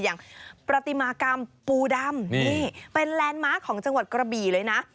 อย่างประติมากรรมปูดำนี่เป็นแลนด์มาร์คของจังหวัดกระบี่เลยนะ